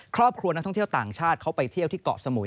ครอบครัวนักท่องเที่ยวต่างชาติเขาไปเที่ยวที่เกาะสมุย